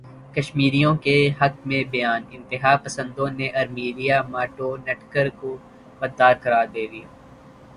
کشمیریوں کے حق میں بیان انتہا پسندوں نے ارمیلا ماٹونڈکر کو غدار قرار دے دیا